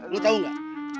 lu tau gak